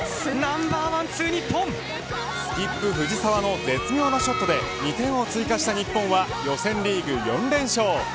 ナンバーワン、ツー日本スキップ藤澤の絶妙なショットで２点を追加した日本は予選リーグ４連勝。